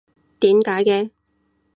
點解嘅？